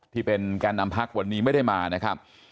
แกนนำพักวันนี้ไม่ได้มานะครับ